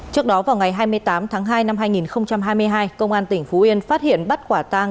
trước đó vào ngày hai mươi tám tháng hai năm hai nghìn hai mươi hai công an tỉnh phú yên phát hiện bắt quả tang